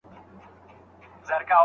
کېدای سي پښتو هویت پیاوړی کړي.